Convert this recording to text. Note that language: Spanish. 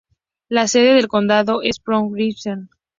La sede del condado es Port Gibson.